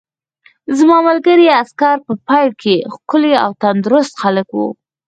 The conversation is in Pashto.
زما ملګري عسکر په پیل کې ښکلي او تندرست خلک وو